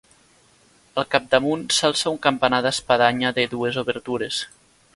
Al capdamunt s'alça un campanar d'espadanya de dues obertures.